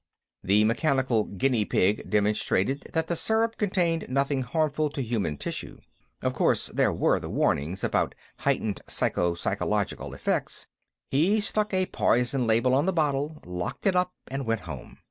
The mechanical guinea pig demonstrated that the syrup contained nothing harmful to human tissue. Of course, there were the warnings about heightened psycho physiological effects.... He stuck a poison label on the bottle, locked it up, and went home.